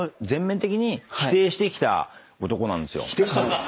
否定したの？